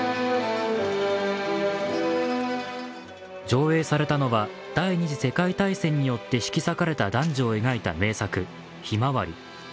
上映されたのは第二次世界大戦によって引き裂かれた男女を描いた名作「ひまわり」。